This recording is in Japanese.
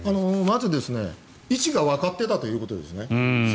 まず遭難した位置がわかっていたということですね。